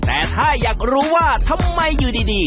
แต่ถ้าอยากรู้ว่าทำไมอยู่ดี